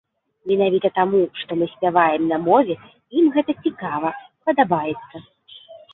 Менавіта таму, што мы спяваем на мове, ім гэта цікава, падабаецца.